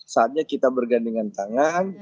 saatnya kita bergandengan tangan